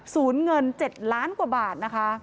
ศูนย์เงิน๗ล้านกว่าบาทนะคะ